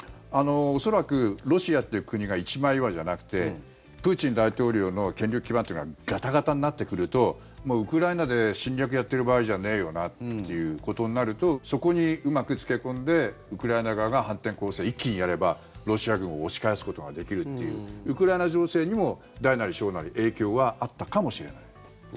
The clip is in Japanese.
恐らくロシアという国が一枚岩じゃなくてプーチン大統領の権力基盤というのがガタガタになってくるとウクライナで侵略やっている場合じゃねえよなっていうことになるとそこにうまく付け込んでウクライナ側が反転攻勢を一気にやればロシア軍を押し返すことができるというウクライナ情勢にも大なり小なり影響はあったかもしれない。